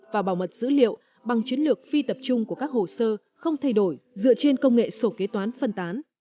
và bảo mật dữ liệu bằng chiến lược phi tập trung của các hồ sơ không thay đổi dựa trên công nghệ sổ kế toán phân tán